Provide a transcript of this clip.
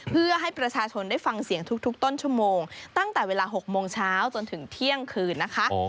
เพื่อให้ประชาชนได้ฟังเสียงทุกต้นชั่วโมงตั้งแต่เวลา๖โมงเช้าจนถึงเที่ยงคืนนะคะ